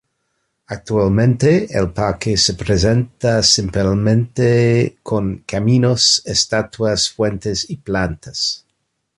Actualmente, el parque se presenta simplemente con caminos, estatuas, fuentes y plantas.